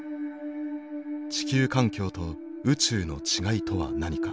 地球環境と宇宙の違いとは何か。